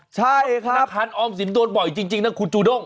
ใช่ธนาคารออมสินโดนบ่อยจริงนะคุณจูด้ง